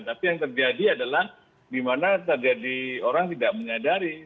tapi yang terjadi adalah dimana terjadi orang tidak menyadari